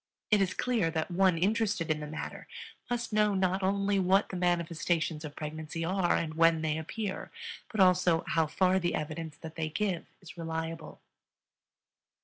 It is clear that one interested in the matter must know not only what the manifestations of pregnancy are and when they appear, but also how far the evidence that they give is reliable.